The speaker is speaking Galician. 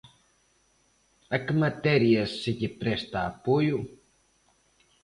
A que materias se lle presta apoio?